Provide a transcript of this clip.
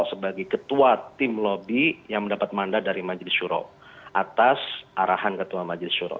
sebagai ketua tim lobby yang mendapat mandat dari majelis syuro atas arahan ketua majelis suro